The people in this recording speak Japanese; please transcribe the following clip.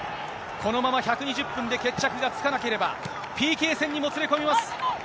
このまま１２０分で決着がつかなければ、ＰＫ戦にもつれ込みます。